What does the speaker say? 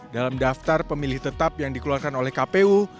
dalam daftar pemilih tetap yang dikeluarkan oleh kpu